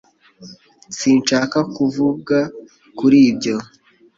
Sinshaka kuvuga kuri ibyo